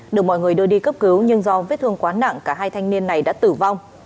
được mọi người đưa đi cấp cứu nhưng do vết thương quá nặng cả hai thanh niên này đã tử vong